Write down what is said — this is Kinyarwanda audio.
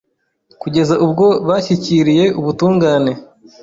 kugeza ubwo bashyikiriye ubutungane.